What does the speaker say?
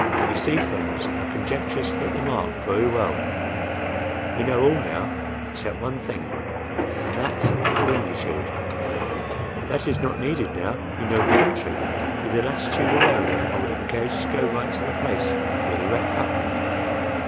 You see, friends, our conjectures hit the mark very well; we know all now except one thing, and that is the longitude." "That is not needed now, we know the country. With the latitude alone, I would engage to go right to the place where the wreck happened."